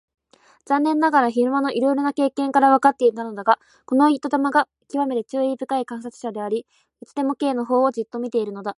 残念ながら昼間のいろいろな経験からわかっていたのだが、この糸玉がきわめて注意深い観察者であり、いつでも Ｋ のほうをじっと見ているのだ。